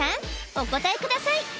お答えください